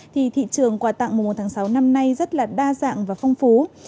thì thị trường quà tặng một một sáu năm nay rất là đa dạng và phong phú